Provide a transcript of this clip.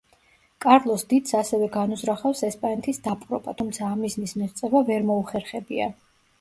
კარლოს დიდს ასევე განუზრახავს ესპანეთის დაპყრობა, თუმცა ამ მიზნის მიღწევა ვერ მოუხერხებია.